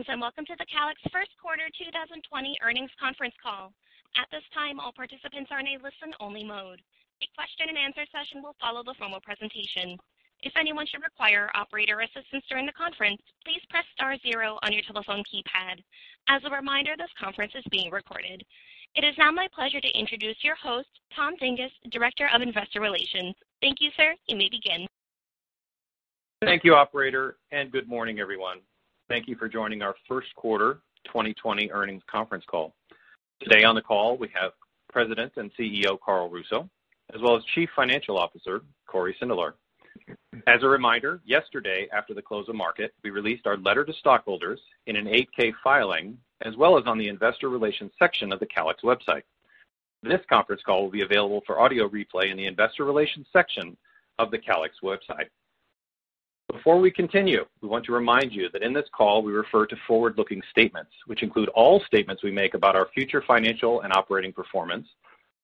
Greetings, and welcome to the Calix first quarter 2020 Earnings Conference Call. At this time, all participants are in a listen-only mode. A question-and-answer session will follow the formal presentation. If anyone should require operator assistance during the conference, please press star zero on your telephone keypad. As a reminder, this conference is being recorded. It is now my pleasure to introduce your host, Tom Dinges, Director of Investor Relations. Thank you, sir. You may begin. Thank you, operator. Good morning, everyone. Thank you for joining our first quarter 2020 earnings conference call. Today on the call, we have President and CEO Carl Russo, as well as Chief Financial Officer Cory Sindelar. As a reminder, yesterday, after the close of market, we released our letter to stockholders in an 8-K filing, as well as on the investor relations section of the calix.com. This conference call will be available for audio replay in the investor relations section ofcalix.com. Before we continue, we want to remind you that in this call, we refer to forward-looking statements, which include all statements we make about our future financial and operating performance,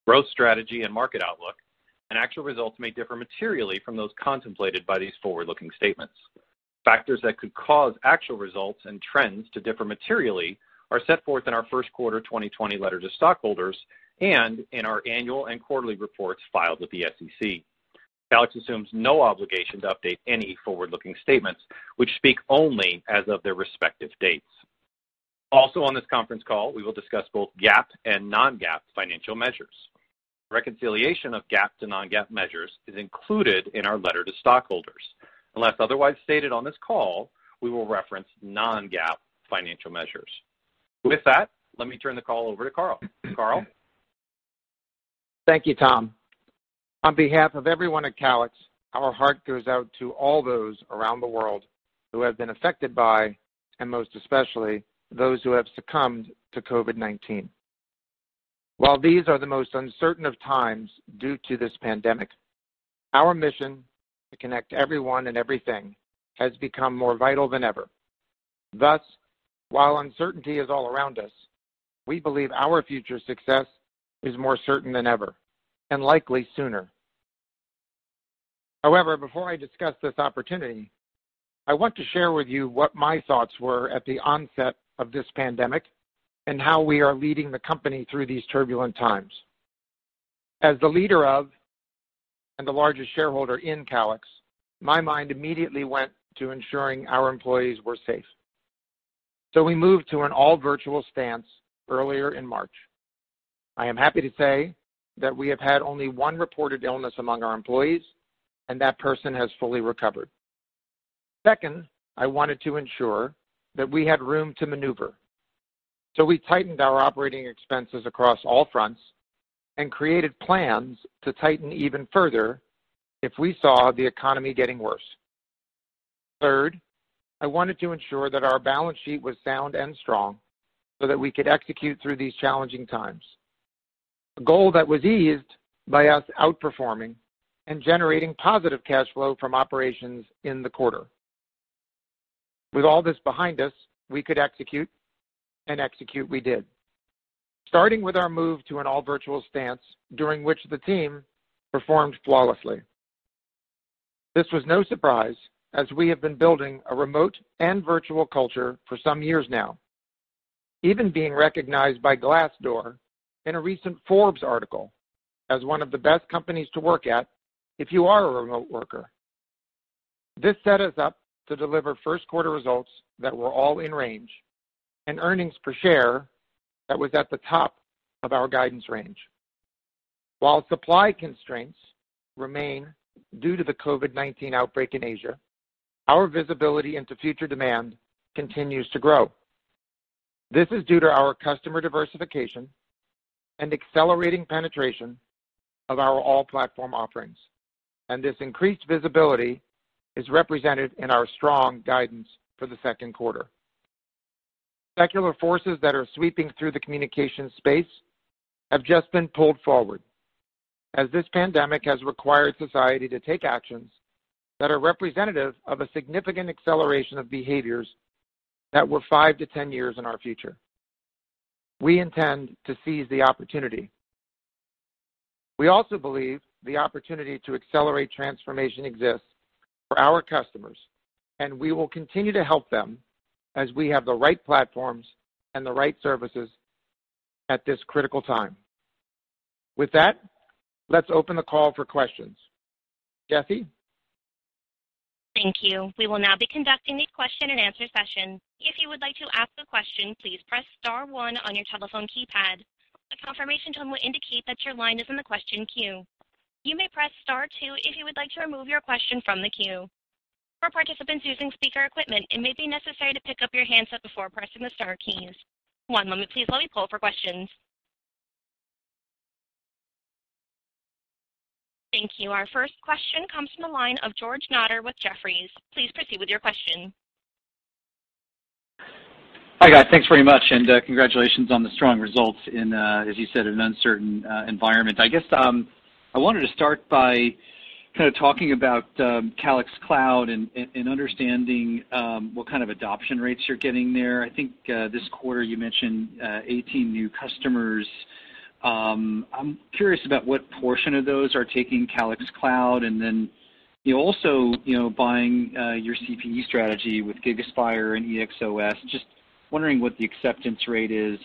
growth strategy, and market outlook, and actual results may differ materially from those contemplated by these forward-looking statements. Factors that could cause actual results and trends to differ materially are set forth in our first quarter 2020 letter to stockholders and in our annual and quarterly reports filed with the SEC. Calix assumes no obligation to update any forward-looking statements, which speak only as of their respective dates. On this conference call, we will discuss both GAAP and non-GAAP financial measures. Reconciliation of GAAP to non-GAAP measures is included in our letter to stockholders. Unless otherwise stated on this call, we will reference non-GAAP financial measures. With that, let me turn the call over to Carl. Carl? Thank you, Tom. On behalf of everyone at Calix, our hearts go out to all those around the world who have been affected by, and most especially, those who have succumbed to COVID-19. While these are the most uncertain of times due to this pandemic, our mission to connect everyone and everything has become more vital than ever. While uncertainty is all around us, we believe our future success is more certain than ever and likely sooner. Before I discuss this opportunity, I want to share with you what my thoughts were at the onset of this pandemic and how we are leading the company through these turbulent times. As the leader of and the largest shareholder in Calix, my mind immediately went to ensuring our employees were safe. We moved to an all-virtual stance earlier in March. I am happy to say that we have had only one reported illness among our employees, and that person has fully recovered. Second, I wanted to ensure that we had room to maneuver. We tightened our operating expenses across all fronts and created plans to tighten even further if we saw the economy getting worse. Third, I wanted to ensure that our balance sheet was sound and strong so that we could execute through these challenging times. A goal that was eased by us outperforming and generating positive cash flow from operations in the quarter. With all this behind us, we could execute, and execute we did. Starting with our move to an all-virtual stance, during which the team performed flawlessly. This was no surprise, as we have been building a remote and virtual culture for some years now. Even being recognized by Glassdoor in a recent Forbes article as one of the best companies to work at if you are a remote worker. This set us up to deliver first-quarter results that were all in range and earnings per share that were at the top of our guidance range. While supply constraints remain due to the COVID-19 outbreak in Asia, our visibility into future demand continues to grow. This is due to our customer diversification and accelerating penetration of our all-platform offerings. This increased visibility is represented in our strong guidance for the second quarter. Secular forces that are sweeping through the communication space have just been pulled forward, as this pandemic has required society to take actions that are representative of a significant acceleration of behaviors that were five-10 years in our future. We intend to seize the opportunity. We also believe the opportunity to accelerate transformation exists for our customers, and we will continue to help them as we have the right platforms and the right services at this critical time. With that, let's open the call for questions. Kathy? Thank you. We will now be conducting the question-and-answer session. If you would like to ask a question, please press star one on your telephone keypad. A confirmation tone will indicate that your line is in the question queue. You may press star two if you would like to remove your question from the queue. For participants using speaker equipment, it may be necessary to pick up your handset before pressing the star keys. One moment, please, while we poll for questions. Thank you. Our first question comes from the line of George Notter with Jefferies. Please proceed with your question. Hi, guys. Thanks very much, and congratulations on the strong results in, as you said, an uncertain environment. I guess I wanted to start by kind of talking about Calix Cloud and understanding what kind of adoption rates you're getting there. I think this quarter you mentioned 18 new customers. I'm curious about what portion of those are taking Calix Cloud and then also buying your CPE strategy with GigaSpire and AXOS. Just wondering what the acceptance rate is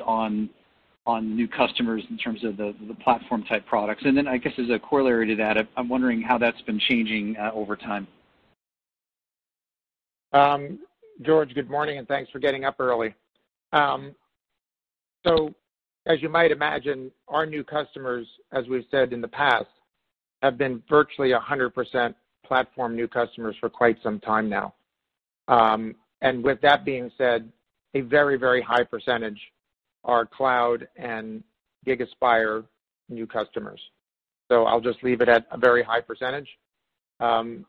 for new customers in terms of the platform-type products. Then, I guess as a corollary to that, I'm wondering how that's been changing over time. George, good morning, and thanks for getting up early. As you might imagine, our new customers, as we've said in the past, have been virtually 100% platform new customers for quite some time now. With that being said, a very high percentage are cloud and GigaSpire new customers. I'll just leave it at a very high percentage.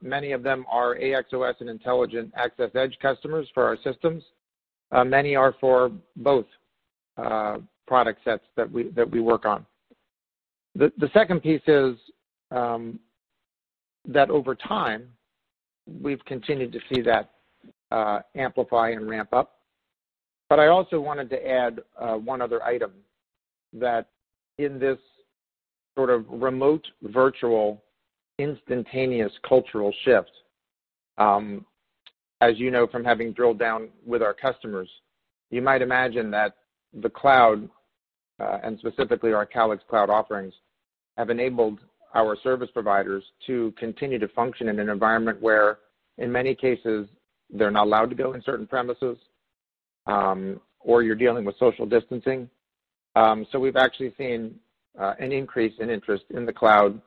Many of them are AXOS and Intelligent Access Edge customers for our systems. Many are for both product sets that we work on. The second piece is that over time, we've continued to see that amplify and ramp up. I also wanted to add one other item: in this sort of remote, virtual, instantaneous cultural shift, as you know from having drilled down with our customers, you might imagine that the cloud, and specifically our Calix Cloud offerings, have enabled our service providers to continue to function in an environment where, in many cases, they're not allowed to go on certain premises, or you're dealing with social distancing. We've actually seen an increase in interest in the cloud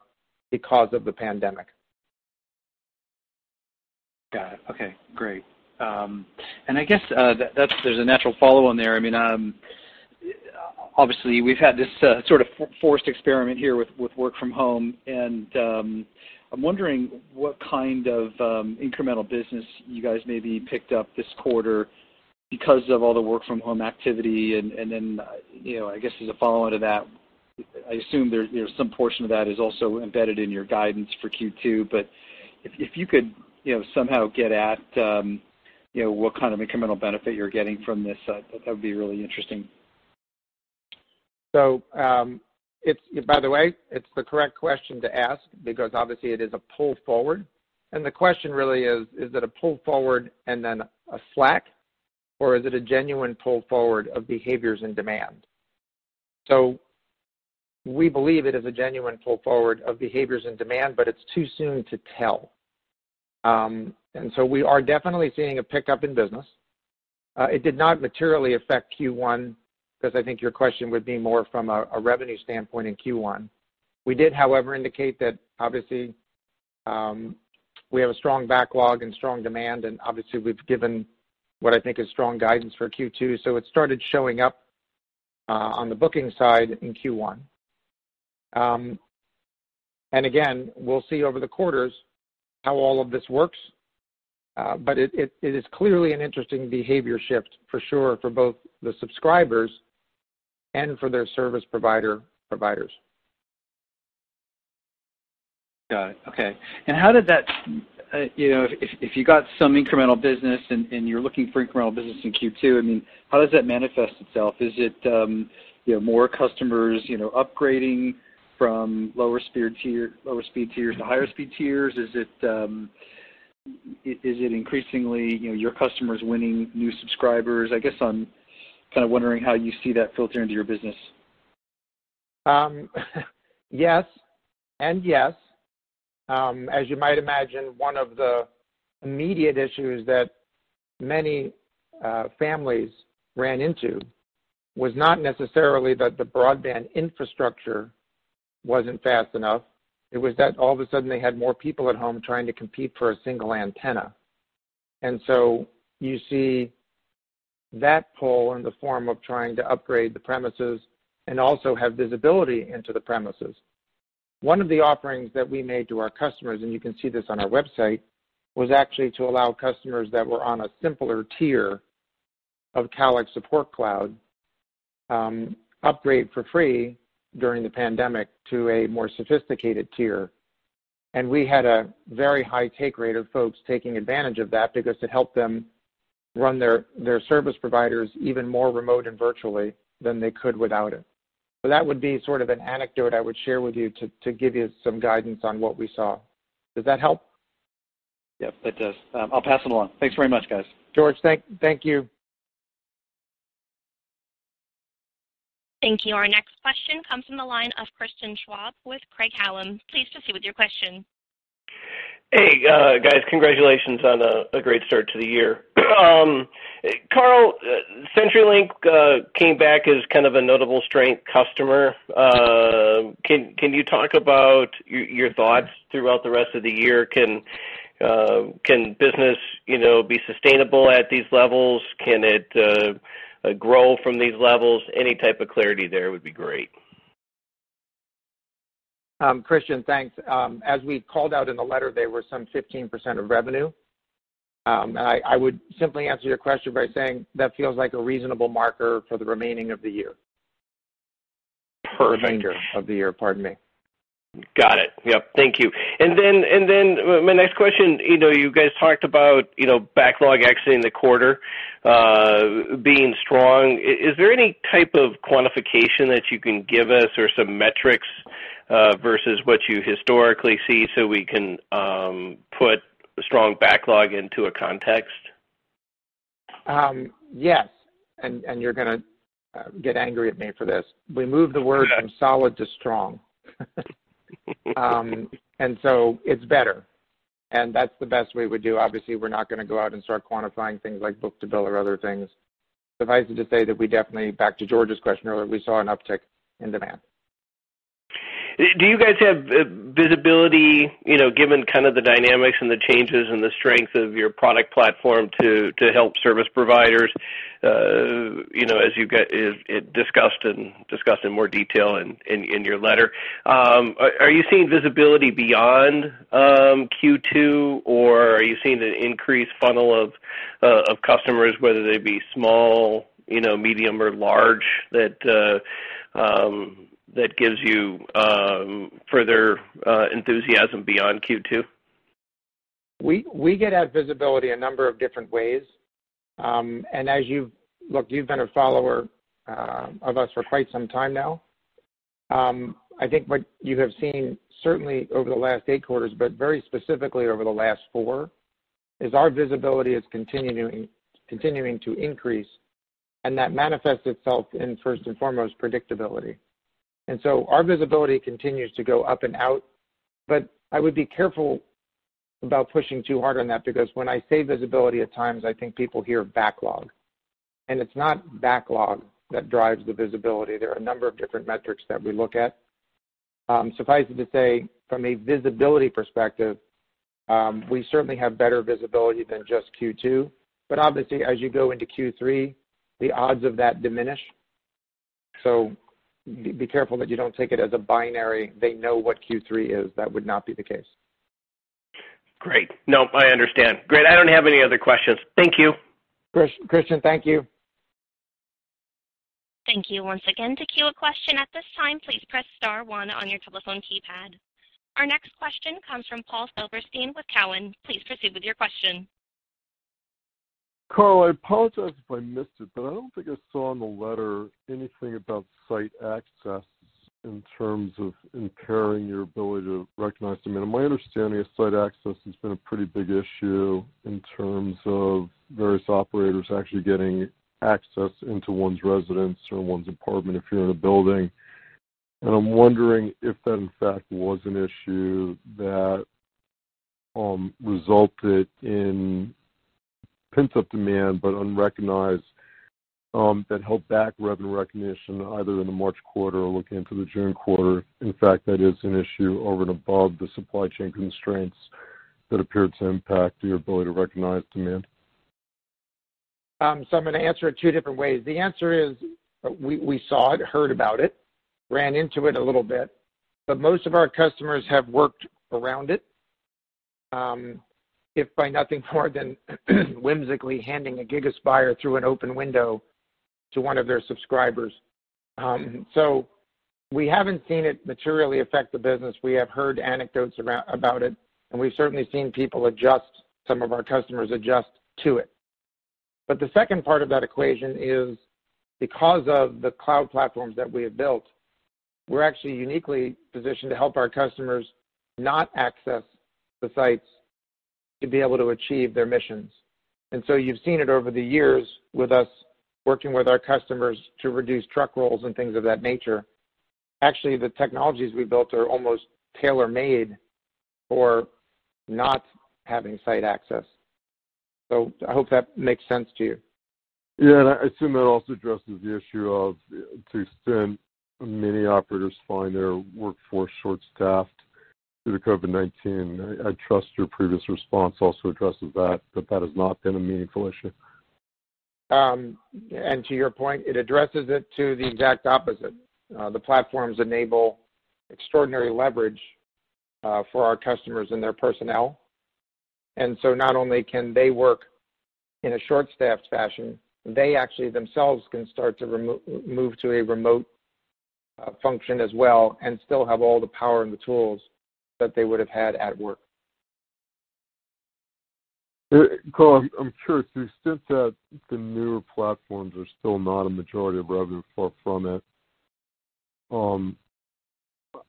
because of the pandemic. Got it. Okay, great. I guess there's a natural follow-on there. Obviously, we've had this sort of forced experiment here with work from home, and I'm wondering what kind of incremental business you guys maybe picked up this quarter because of all the work from home activity. Then, I guess as a follow-on to that, I assume there's some portion of that that is also embedded in your guidance for Q2. If you could somehow get at what kind of incremental benefit you're getting from this, that would be really interesting. By the way, it's the correct question to ask because obviously it is a pull forward, and the question really is it a pull forward and then a slack, or is it a genuine pull forward of behaviors and demand? We believe it is a genuine pull forward of behaviors and demand, but it's too soon to tell. We are definitely seeing a pickup in business. It did not materially affect Q1, because I think your question would be more from a revenue standpoint in Q1. We did, however, indicate that obviously, we have a strong backlog and strong demand, and obviously, we've given what I think is strong guidance for Q2. It started showing up on the booking side in Q1. Again, we'll see over the quarters how all of this works. It is clearly an interesting behavior shift for sure for both the subscribers and for their service providers. Got it. Okay. If you got some incremental business and you're looking for incremental business in Q2, how does that manifest itself? Is it more customers upgrading from lower speed tiers to higher speed tiers? Is it increasingly your customers winning new subscribers? I guess I'm kind of wondering how you see that filtering into your business. Yes, and yes. As you might imagine, one of the immediate issues that many families ran into was not necessarily that the broadband infrastructure wasn't fast enough. It was that all of a sudden they had more people at home trying to compete for a single antenna. You see that pull in the form of trying to upgrade the premises and also have visibility into the premises. One of the offerings that we made to our customers, and you can see this on our website, was actually to allow customers that were on a simpler tier of Calix Support Cloud upgrade for free during the pandemic to a more sophisticated tier. We had a very high take rate of folks taking advantage of that because it helped them run their service providers even more remotely and virtually than they could without it. That would be sort of an anecdote I would share with you to give you some guidance on what we saw. Does that help? Yep, that does. I'll pass it along. Thanks very much, guys. George. Thank you. Thank you. Our next question comes from the line of Christian Schwab with Craig-Hallum. Please proceed with your question. Hey, guys. Congratulations on a great start to the year. Carl, CenturyLink came back as kind of a notable strong customer. Can you talk about your thoughts throughout the rest of the year? Can business be sustainable at these levels? Can it grow from these levels? Any type of clarity there would be great. Christian, thanks. As we called out in the letter, they were some 15% of revenue. I would simply answer your question by saying that feels like a reasonable marker for the remaining of the year. For the remainder of the year, pardon me. Got it. Yep. Thank you. My next question: you guys talked about the backlog exiting the quarter being strong. Is there any type of quantification that you can give us or some metrics versus what you historically see so we can put a strong backlog into context? Yes, you're going to get angry at me for this. We moved the word from solid to strong. It's better, and that's the best we would do. Obviously, we're not going to go out and start quantifying things like book-to-bill or other things. Suffice it to say that we definitely, back to George's question earlier, saw an uptick in demand. Do you guys have visibility, given the kind of dynamics and the changes and the strength of your product platform, to help service providers, as you discussed in more detail in your letter? Are you seeing visibility beyond Q2, or are you seeing an increased funnel of customers, whether they be small, medium, or large, that gives you further enthusiasm beyond Q2? We get at visibility a number of different ways. You've been a follower of us for quite some time now. I think what you have seen, certainly over the last eight quarters but very specifically over the last four, is our visibility is continuing to increase, and that manifests itself in, first and foremost, predictability. Our visibility continues to go up and out, but I would be careful about pushing too hard on that because when I say visibility, at times, I think people hear backlog. It's not the backlog that drives the visibility. There are a number of different metrics that we look at. Suffice it to say, from a visibility perspective, we certainly have better visibility than just Q2. Obviously, as you go into Q3, the odds of that diminish. Be careful that you don't take it as a binary, they know what Q3 is. That would not be the case. Great. No, I understand. Great. I don't have any other questions. Thank you. Christian, thank you. Thank you once again. To queue a question at this time, please press star one on your telephone keypad. Our next question comes from Paul Silverstein with Cowen. Please proceed with your question. Carl, I apologize if I missed it, I don't think I saw in the letter anything about site access in terms of impairing your ability to recognize demand. My understanding is site access has been a pretty big issue in terms of various operators actually getting access into one's residence or one's apartment if you're in a building. I'm wondering if that, in fact, was an issue that resulted in pent-up but unrecognized demand that held back revenue recognition either in the March quarter or look into the June quarter. In fact, that is an issue over and above the supply chain constraints that appeared to impact your ability to recognize demand. I'm going to answer it two different ways. The answer is we saw it, heard about it, and ran into it a little bit, but most of our customers have worked around it, if by nothing more than whimsically handing a GigaSpire through an open window to one of their subscribers. We haven't seen it materially affect the business. We have heard anecdotes about it, and we've certainly seen people adjust, some of our customers adjust to it. The second part of that equation is because of the cloud platforms that we have built, we're actually uniquely positioned to help our customers access the sites to be able to achieve their missions. You've seen it over the years with us working with our customers to reduce truck rolls and things of that nature. Actually, the technologies we built are almost tailor-made for not having site access. I hope that makes sense to you. Yeah, I assume that also addresses the issue of, to an extent, many operators finding their workforce short-staffed due to COVID-19. I trust your previous response also addresses that there has not been a meaningful issue? To your point, it addresses it to the exact opposite. The platforms enable extraordinary leverage for our customers and their personnel. Not only can they work in a short-staffed fashion, but they actually themselves can start to move to a remote function as well and still have all the power and the tools that they would have had at work. Carl, I'm curious. To the extent that the newer platforms are still not a majority of revenue, far from it,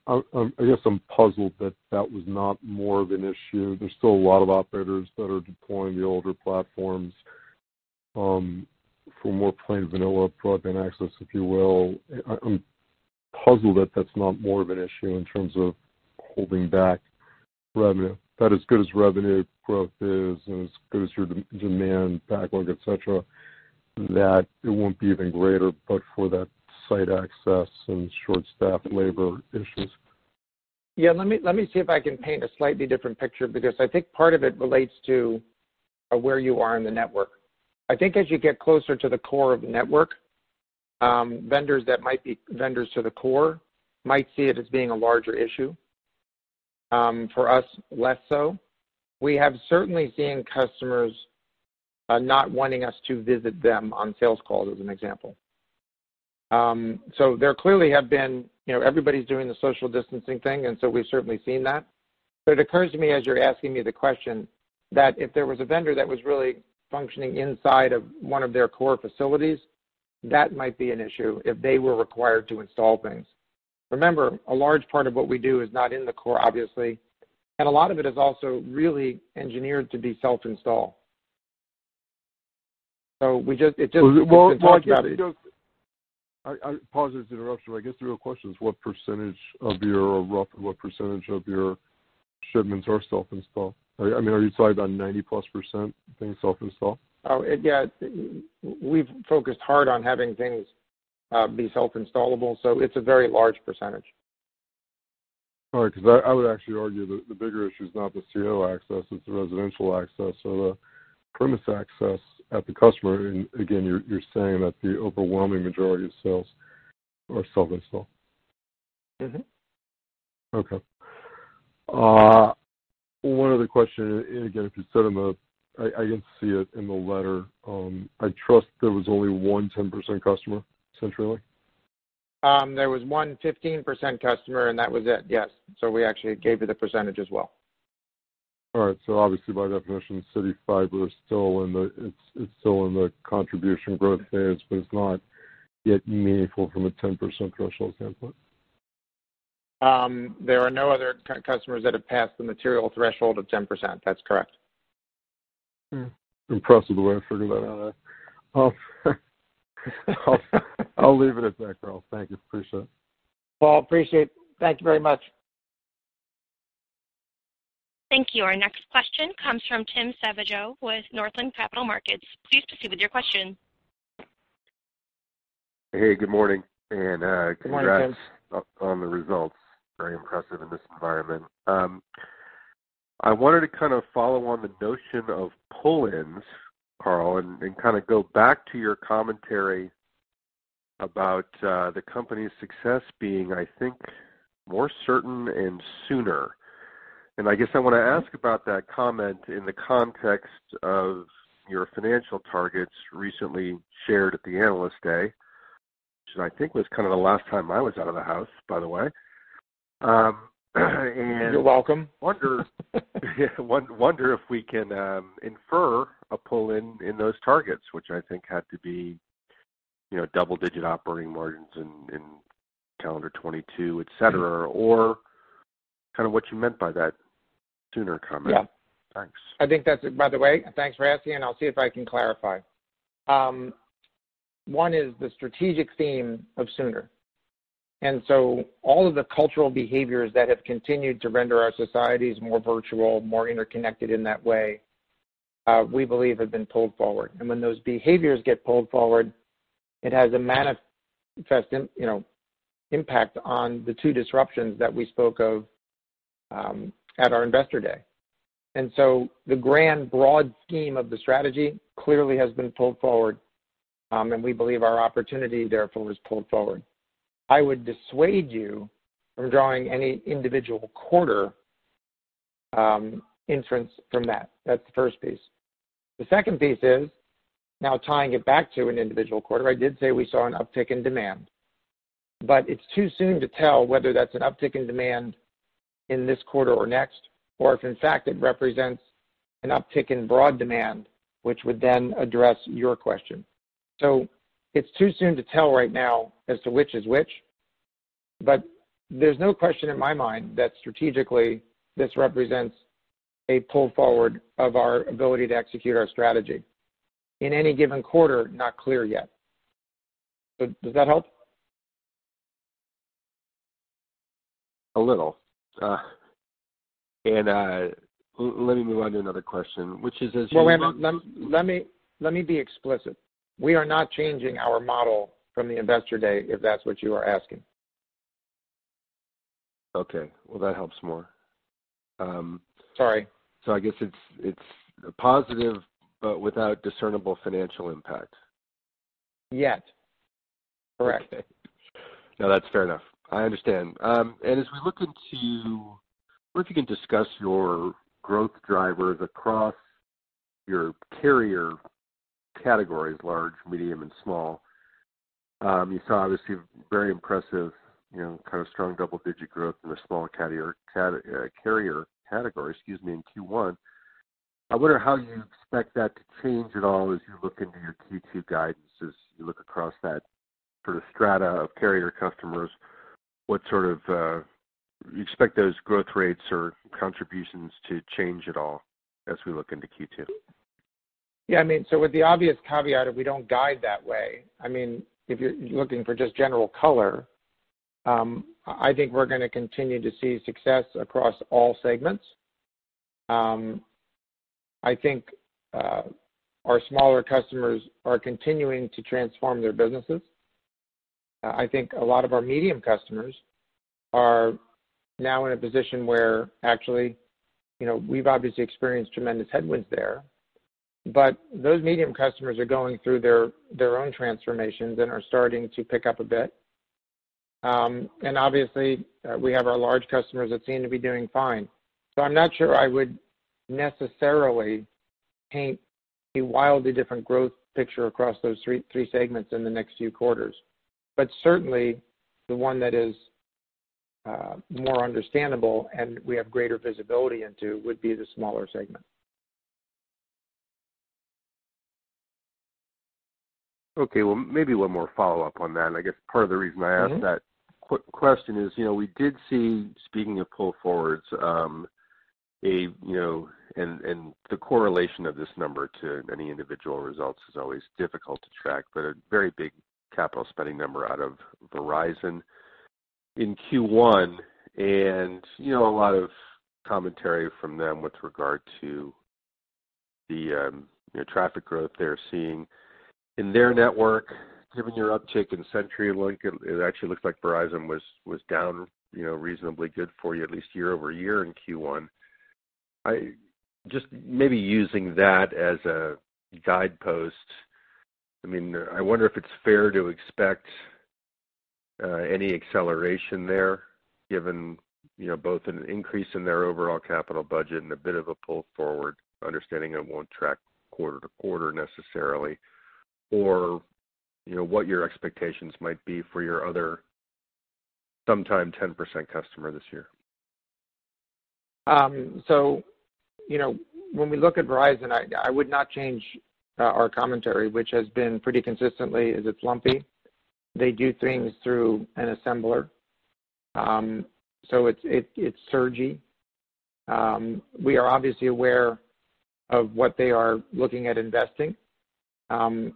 I guess I'm puzzled that that was not more of an issue. There are still a lot of operators that are deploying the older platforms for more plain vanilla broadband access, if you will. I'm puzzled that that's not more of an issue in terms of holding back revenue. That as good as revenue growth is and as good as your demand backlog is, et cetera, that it won't be even greater but for that site access and short-staffed labor issues. Yeah, let me see if I can paint a slightly different picture because I think part of it relates to where you are in the network. I think as you get closer to the core of the network, vendors that might be vendors to the core might see it as being a larger issue. For us, less so. We have certainly seen customers not wanting us to visit them on sales calls, as an example. Everybody's doing the social distancing thing, and so we've certainly seen that. It occurs to me, as you're asking me the question, that if there was a vendor that was really functioning inside of one of their core facilities, that might be an issue if they were required to install things. Remember, a large part of what we do is not in the core, obviously, and a lot of it is also really engineered to be self-installed. Well, I guess— We've been talking about it. I apologize for the interruption. I guess the real question is what percentage of your shipments are self-install? Are you talking about +90% being self-install? Oh, yeah. We've focused hard on having things be self-installable. It's a very large percentage. All right. Because I would actually argue that the bigger issue is not the CO access, it's the residential access or the premise access at the customer. Again, you're saying that the overwhelming majority of sales are self-install. [inaudible] Okay. One other question, again, if you said I didn't see it in the letter. I trust there was only one 10% customer, CenturyLink? There was one 15% customer, and that was it. Yes. We actually gave you the percentage as well. All right. Obviously, by definition, CityFibre is still in the contribution growth phase, but it's not yet meaningful from a 10% threshold standpoint? There are no other customers that have passed the material threshold of 10%. That's correct. Impressive, the way I figured that out. I'll leave it at that, Carl. Thank you. Appreciate it. Paul, appreciate it. Thank you very much. Thank you. Our next question comes from Tim Savageaux with Northland Capital Markets. Please proceed with your question. Hey, good morning. Good morning, Tim. Congrats on the results. Very impressive in this environment. I wanted to kind of follow the notion of pull-ins, Carl, and then kind of go back to your commentary about the company's success being, I think, more certain and sooner. I guess I want to ask about that comment in the context of your financial targets recently shared at the Analyst Day, which I think was kind of the last time I was out of the house, by the way. You're welcome. Wonder if we can infer a pull-in in those targets, which I think had to be double-digit operating margins in calendar 2022, et cetera, or kind of what you meant by that sooner comment? Yeah. Thanks. I think that's it. By the way, thanks for asking, and I'll see if I can clarify. One is the strategic theme of sooner. All of the cultural behaviors that have continued to render our societies more virtual, more interconnected in that way, we believe, have been pulled forward. When those behaviors get pulled forward, it has a manifest impact on the two disruptions that we spoke of at our Investor Day. The grand broad scheme of the strategy clearly has been pulled forward, and we believe our opportunity therefore is pulled forward. I would dissuade you from drawing any individual queer inference from that. That's the first piece. The second piece is, now tying it back to an individual quarter, I did say we saw an uptick in demand, but it's too soon to tell whether that's an uptick in demand in this quarter or next or if, in fact, it represents an uptick in broad demand, which would then address your question. It's too soon to tell right now as to which is which. There's no question in my mind that strategically this represents a pull forward of our ability to execute our strategy. In any given quarter, not clear yet. Does that help? A little. Let me move on to another question. Well, wait a minute. Let me be explicit. We are not changing our model from the Investor Day, if that's what you are asking. Okay. Well, that helps more. Sorry. I guess it's a positive, but without discernible financial impact. Yet. Correct. No, that's fair enough. I understand. I wonder if you can discuss your growth drivers across your carrier categories, large, medium, and small. You saw, obviously, very impressive, kind of strong double-digit growth in the small carrier category, excuse me, in Q1. I wonder how you expect that to change at all as you look into your Q2 guidances. You look across that sort of strata of carrier customers, you expect those growth rates or contributions to change at all as we look into Q2? With the obvious caveat of we don't guide that way, if you're looking for just general color, I think we're going to continue to see success across all segments. I think our smaller customers are continuing to transform their businesses. I think a lot of our medium customers are now in a position where, actually, we've obviously experienced tremendous headwinds there. Those medium customers are going through their own transformations and are starting to pick up a bit. Obviously, we have our large customers that seem to be doing fine. I'm not sure I would necessarily paint a wildly different growth picture across those three segments in the next few quarters. Certainly, the one that is more understandable and we have greater visibility into would be the smaller segment. Okay. Well, maybe one more follow-up on that. I guess part of the reason I asked that question is we did see, speaking of pull forwards, a correlation of this number to any individual results, which is always difficult to track, but a very big capital spending number out of Verizon in Q1, and a lot of commentary from them with regard to the traffic growth they're seeing in their network. Given your uptick in CenturyLink, it actually looked like Verizon was down reasonably good for you, at least year-over-year in Q1. Just maybe using that as a guidepost, I wonder if it's fair to expect any acceleration there given both an increase in their overall capital budget and a bit of a pull forward, understanding it won't track quarter-to-quarter necessarily or what your expectations might be for your other, sometimes 10%, customer this year. When we look at Verizon, I would not change our commentary, which has been pretty consistent; it's lumpy. They do things through an assembler. It's surgy. We are obviously aware of what they are looking at investing in.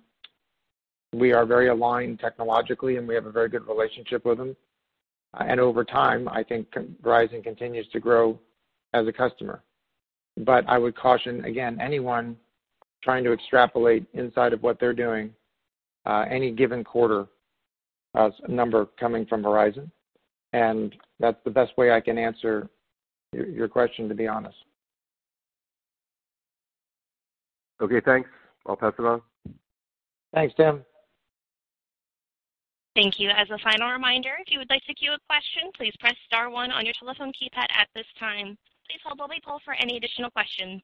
We are very aligned technologically, and we have a very good relationship with them. Over time, I think Verizon continues to grow as a customer. I would caution, again, anyone trying to extrapolate inside of what they're doing in any given quarter as a number coming from Verizon, and that's the best way I can answer your question, to be honest. Okay, thanks. I'll pass it on. Thanks, Tim. Thank you. As a final reminder, if you would like to queue a question, please press star one on your telephone keypad at this time. Please hold while we poll for any additional questions.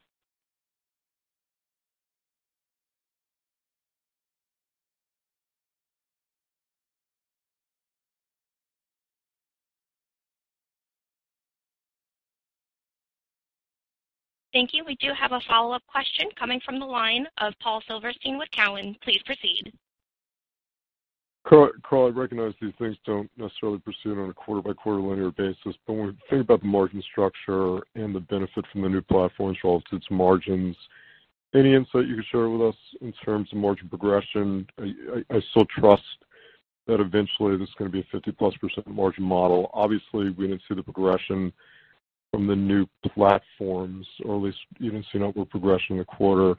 Thank you. We do have a follow-up question coming from the line of Paul Silverstein with Cowen. Please proceed. Carl, I recognize these things don't necessarily proceed on a quarter-by-quarter linear basis, but when we think about the margin structure and the benefit from the new platforms relative to their margins, do you have any insight you could share with us in terms of margin progression? I still trust that eventually this is going to be a +50% margin model. Obviously, we didn't see the progression from the new platforms or at least even see outward progression in the quarter,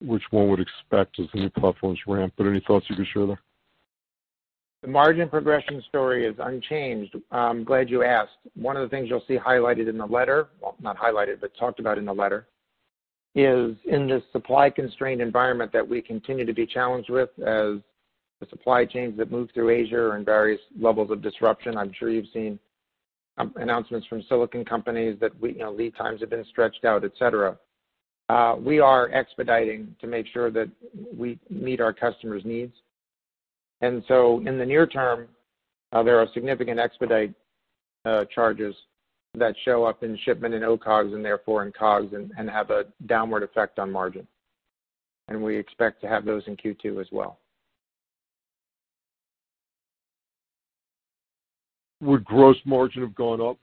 which one would expect as the new platforms ramp up. Any thoughts you could share there? The margin progression story is unchanged. I'm glad you asked. One of the things you'll see talked about in the letter is this supply-constrained environment that we continue to be challenged with as the supply chains that move through Asia are in various levels of disruption. I'm sure you've seen announcements from silicon companies that lead times have been stretched out, et cetera. We are expediting to make sure that we meet our customers' needs. In the near term, there are significant expedite charges that show up in shipment and OCOGS and therefore in COGS and have a downward effect on margin. We expect to have those in Q2 as well. Would the gross margin have gone up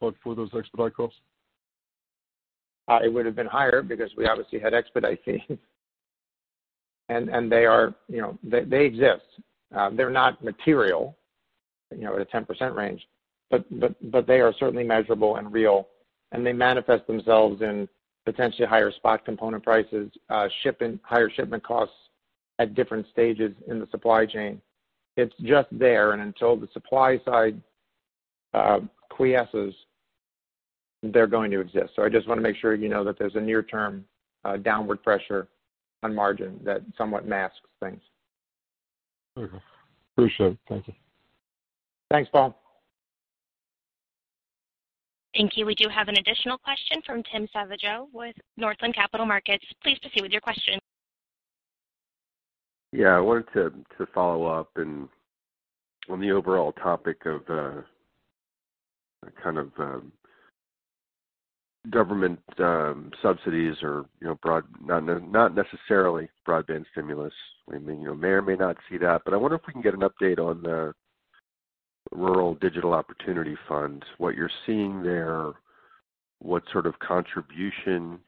but for those expedite costs? It would have been higher because we obviously had expediting. They exist. They're not material at a 10% range, but they are certainly measurable and real, and they manifest themselves in potentially higher spot component prices and higher shipment costs at different stages in the supply chain. It's just there, and until the supply side quiesces, they're going to exist. I just want to make sure you know that there's a near-term downward pressure on margin that somewhat masks things. Okay. Appreciate it. Thank you. Thanks, Paul. Thank you. We do have an additional question from Tim Savageaux with Northland Capital Markets. Please proceed with your question. Yeah. I wanted to follow up on the overall topic of government subsidies, or not necessarily broadband stimulus. We may or may not see that, but I wonder if we can get an update on the Rural Digital Opportunity Fund, what you're seeing there, and what sort of contribution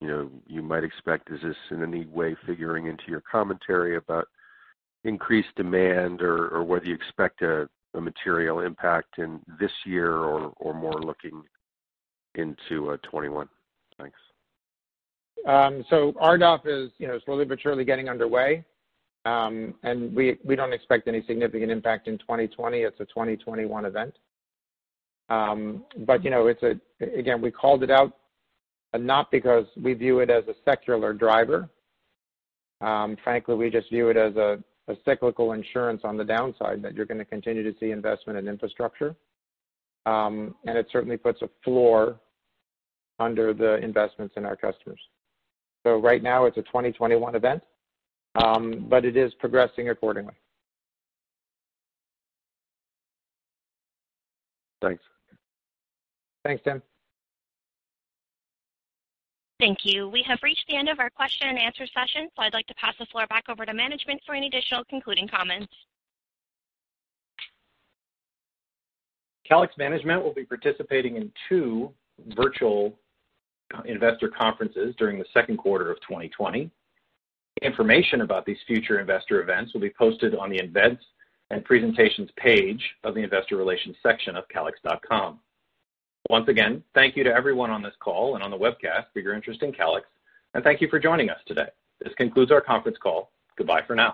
you might expect. Is this in any way figuring into your commentary about increased demand, or do you expect a material impact this year or more looking into 2021? Thanks. RDOF is slowly but surely getting underway. We don't expect any significant impact in 2020. It's a 2021 event. Again, we called it out not because we view it as a secular driver. Frankly, we just view it as a cyclical insurance on the downside that you're going to continue to see investment in infrastructure. It certainly puts a floor under the investments in our customers. Right now it's a 2021 event, but it is progressing accordingly. Thanks. Thanks, Tim. Thank you. We have reached the end of our question-and-answer session. I'd like to pass the floor back over to management for any additional concluding comments. Calix management will be participating in two virtual investor conferences during the second quarter of 2020. Information about these future investor events will be posted on the Events and Presentations page of the Investor Relations section of calix.com. Once again, thank you to everyone on this call and on the webcast for your interest in Calix, and thank you for joining us today. This concludes our conference call. Goodbye for now.